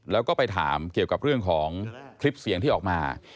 แล้วก็ไปถามเกี่ยวกับเรื่องของคลิปเสียงที่ออกมา